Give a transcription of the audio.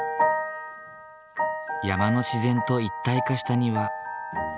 山の自然と一体化した庭。